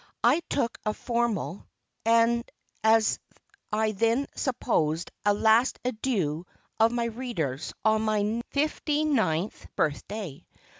I took a formal, and as I then supposed, a last adieu of my readers on my fifty ninth birth day.